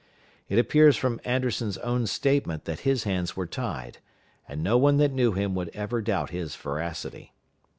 It appears from Anderson's own statement that his hands were tied, and no one that knew him would ever doubt his veracity.